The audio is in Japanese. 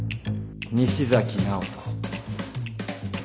西崎直人